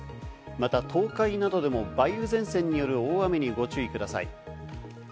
また東海などでも梅雨前線による大雨にご注意ください。